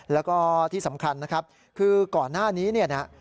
แล้วก็ที่สำคัญนะครับคือก่อนหน้านี้เนี่ยนะ